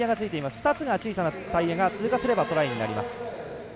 ２つの小さなタイヤが通過すればトライになります。